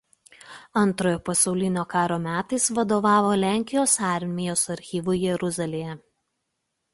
Antrojo pasaulinio karo metais vadovavo Lenkijos armijos archyvui Jeruzalėje.